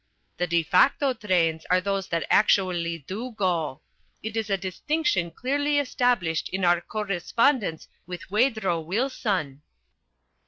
The de facto trains are those that actually do go. It is a distinction clearly established in our correspondence with Huedro Huilson."